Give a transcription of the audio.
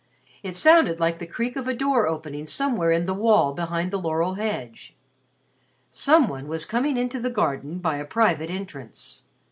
It sounded like the creak of a door opening somewhere in the wall behind the laurel hedge. Some one was coming into the garden by a private entrance.